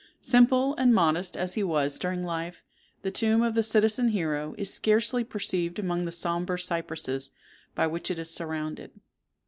Simple and modest as he was during life, the tomb of the citizen hero is scarcely perceived among the sombre cypresses by which it is surrounded.